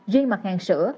riêng mặt hàng sữa